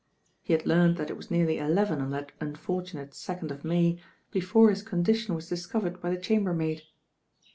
He had learned that it was nearly eleven on that unfortunate second of May before his condition was discovered by the chambermaid.